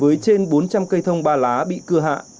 với trên bốn trăm linh cây thông ba lá bị cưa hạ